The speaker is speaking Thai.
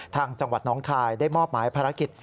จังหวัดน้องคายได้มอบหมายภารกิจ